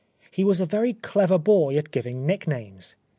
.. He was a very clever boy at giving nicknames.